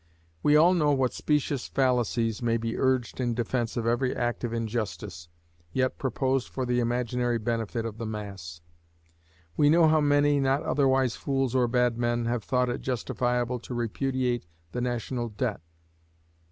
We all know what specious fallacies may be urged in defense of every act of injustice yet proposed for the imaginary benefit of the mass. We know how many, not otherwise fools or bad men, have thought it justifiable to repudiate the national debt.